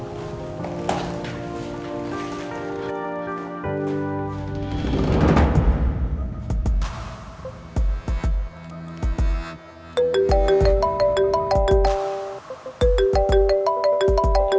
sama gue siapa dia